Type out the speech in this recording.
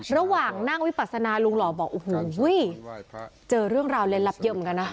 ระหว่างนั่งวิปัสนาลุงหล่อบอกโอ้โหเจอเรื่องราวเล่นลับเยอะเหมือนกันนะ